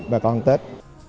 và bà con tết